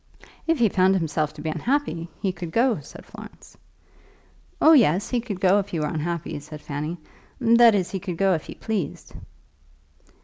"If he found himself to be unhappy, he could go," said Florence. "Oh, yes; he could go if he were unhappy," said Fanny. "That is, he could go if he pleased."